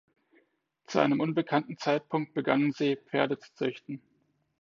Zu einem unbekannten Zeitpunkt begannen sie, Pferde zu züchten.